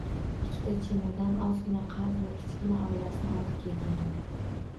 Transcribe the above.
Ikkita chemadan, ozgina qarz va kichik oilasini olib kelgandi.